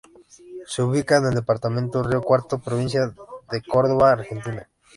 Se ubica en en el Departamento Río Cuarto, Provincia de Córdoba, Argentina.